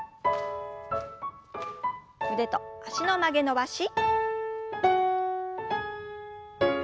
腕と脚の曲げ伸ばし。